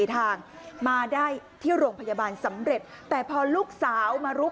ที่โรงพยาบาลสำเร็จแต่พอลูกสาวมารู้